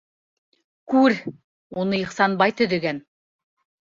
- Күр: уны Ихсанбай төҙөгән.